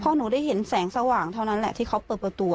พอหนูได้เห็นแสงสว่างเท่านั้นแหละที่เขาเปิดประตู